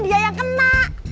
dia yang kena